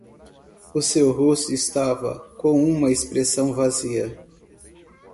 O seu rosto estava com uma expressão vazia.